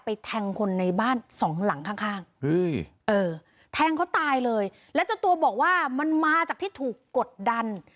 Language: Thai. แทงคนในบ้านสองหลังข้างข้างแทงเขาตายเลยแล้วเจ้าตัวบอกว่ามันมาจากที่ถูกกดดัน